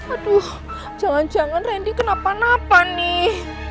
aduh jangan jangan randy kenapa napa nih